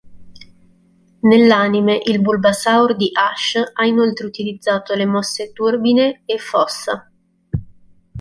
Nell'anime il Bulbasaur di Ash ha inoltre utilizzato le mosse Turbine e Fossa.